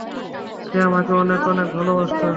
সে আপনাকে, অনেক, অনেক ভালবাসত।